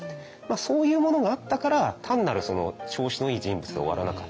そういうものがあったから単なる調子のいい人物で終わらなかった。